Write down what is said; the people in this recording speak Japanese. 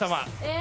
え！